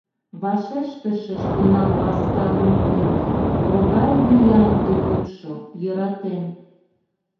Вашештышыч тунам ласка мут дене, Могай виян ты мутшо — «Йӧратем…»!